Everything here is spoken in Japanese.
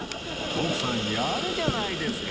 徳さんやるじゃないですか！